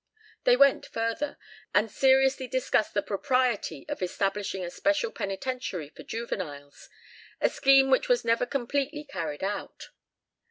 They went further, and seriously discussed the propriety of establishing a special penitentiary for juveniles, a scheme which was never completely carried out.